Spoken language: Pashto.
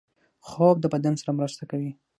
خوب د بدن سره مرسته کوي